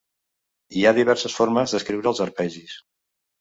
Hi ha diverses formes d'escriure els arpegis.